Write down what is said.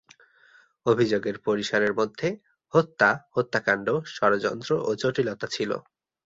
অভিযোগের পরিসরের মধ্যে হত্যা, হত্যাকাণ্ড, ষড়যন্ত্র, ও জটিলতা ছিল।